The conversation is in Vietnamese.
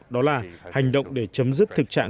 đó là hành động để chấm dứt thực trạng